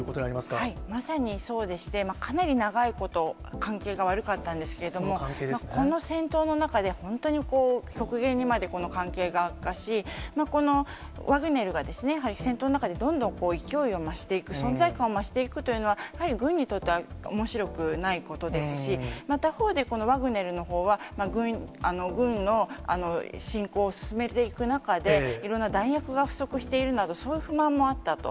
はい、まさにそうでして、かなり長いこと関係が悪かったんですけれども、この戦闘の中で、本当に極限にまでこの関係が悪化し、このワグネルがですね、やはり戦闘の中でどんどん勢いを増していく、存在感を増していくというのは、やはり軍にとってはおもしろくないことですし、また他方で、このワグネルのほうは、軍の侵攻を進めていく中で、いろんな弾薬が不足しているなど、そういう不満もあったと。